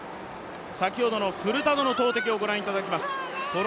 先ほどのフルタドの投てきをご覧いただきます。